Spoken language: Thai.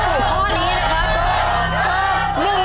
ถึงข้อนี้นะคะ